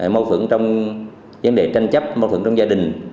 mâu phưởng trong vấn đề tranh chấp mâu thuẫn trong gia đình